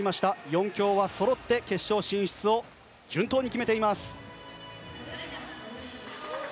４強はそろって決勝進出を順当に決めています。